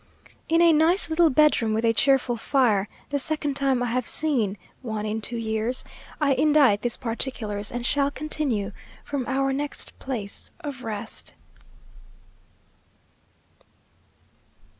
In a nice little bedroom, with a cheerful fire, the second time I have seen one in two years, I indite these particulars, and shall continue from our next place of rest.